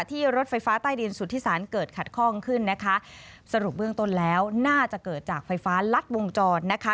รถไฟฟ้าใต้ดินสุธิศาลเกิดขัดข้องขึ้นนะคะสรุปเบื้องต้นแล้วน่าจะเกิดจากไฟฟ้ารัดวงจรนะคะ